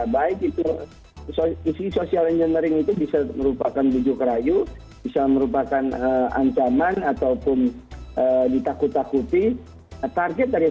baik itu isi social engineering itu bisa merupakan bujuk rayu bisa merupakan ancaman ataupun ditakut takuti